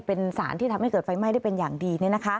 เป็นสารที่ทำให้เกิดไฟไหม้ได้เป็นอย่างดี